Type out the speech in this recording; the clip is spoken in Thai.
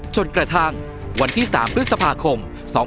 จนกระทั่งวันที่๓พฤษภาคม๒๕๖๒